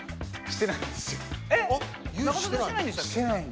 してないんですよ。